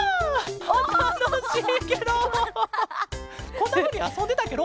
こんなふうにあそんでたケロ？